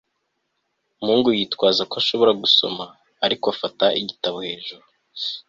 umuhungu yitwaza ko ashobora gusoma, ariko afata igitabo hejuru